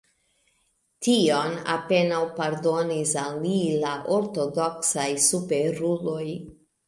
Tion apenaŭ pardonis al li la ortodoksaj superuloj.